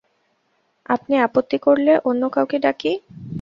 আপনি আপত্তি করলে অন্য কাউকে ডাকি!